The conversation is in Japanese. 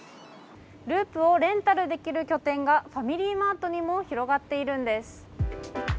ＬＵＵＰをレンタルできる拠点がファミリーマートにも広がっているんです。